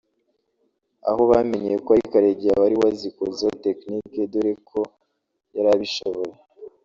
aho bamenyeye ko ari Karegeya wari wazikozeho technique dore ko yarabishoboye